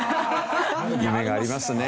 夢がありますね。